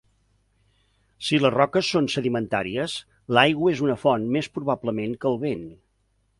Si les roques són sedimentàries, l'aigua és una font més probablement que el vent.